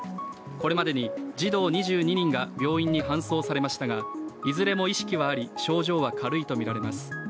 これまでに児童２２人が病院に搬送されましたがいずれも意識はあり症状は軽いとみられます。